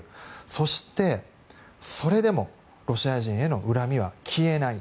そして、それでもロシア人への恨みは消えない。